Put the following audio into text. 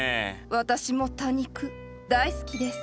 私も多肉大好きです。